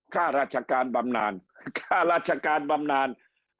ข้าราชการบำนาน